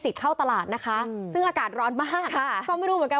เข้าตลาดนะคะซึ่งอากาศร้อนมากค่ะก็ไม่รู้เหมือนกัน